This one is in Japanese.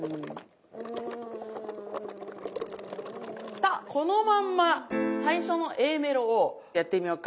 さこのまんま最初のＡメロをやってみようか。